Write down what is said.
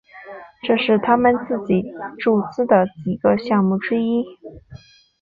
这是他们自己注资的几个项目之一。